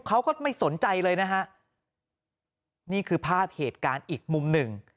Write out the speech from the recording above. เขาก็ไม่สนใจเลยนะฮะนี่คือภาพเหตุการณ์อีกมุมหนึ่ง